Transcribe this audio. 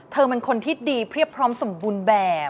เธอเป็นคนที่ดีเพียบพร้อมสมบูรณ์แบบ